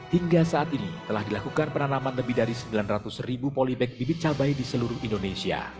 hingga saat ini telah dilakukan penanaman lebih dari sembilan ratus ribu polybag bibit cabai di seluruh indonesia